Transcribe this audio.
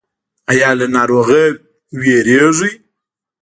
ایا له ناروغۍ ویریږئ؟